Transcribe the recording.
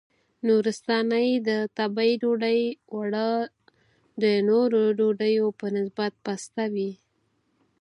نورستانۍ د تبۍ ډوډۍ اوړه د نورو ډوډیو په نسبت پاسته وي.